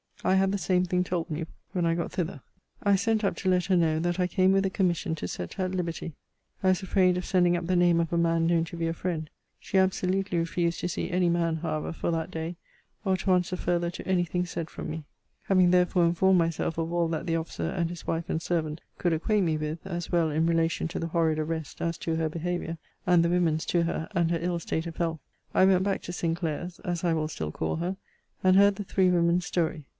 I had the same thing told me, when I got thither. I sent up to let her know, that I came with a commission to set her at liberty. I was afraid of sending up the name of a man known to be your friend. She absolutely refused to see any man, however, for that day, or to answer further to any thing said from me. Having therefore informed myself of all that the officer, and his wife, and servant, could acquaint me with, as well in relation to the horrid arrest, as to her behaviour, and the women's to her; and her ill state of health; I went back to Sinclair's, as I will still call her, and heard the three women's story.